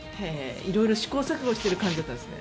色々、試行錯誤している感じだったんですね。